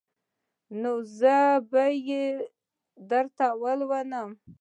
نو زه به يې درته ولولم.